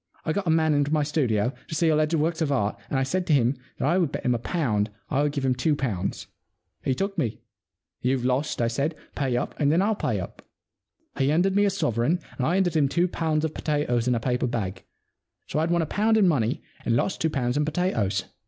I got a man into my studio, to see alleged works of art, and I said to him that I would bet him a pound I would give him two pounds. He took me. You've lost," I said. Pay up, and then I'll pay up." He handed me a sovereign and I handed him two pounds of potatoes in a paper bag. So I'd won a pound in money and lost two pounds in potatoes.